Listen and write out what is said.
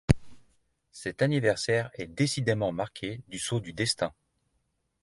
Cet anniversaire est décidément marqué du sceau du destin.